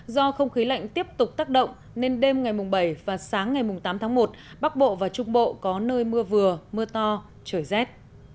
do không khí lạnh tiếp tục tác động nên đêm ngày bảy và sáng ngày tám tháng một bắc bộ và trung bộ có nơi mưa vừa mưa to trời rét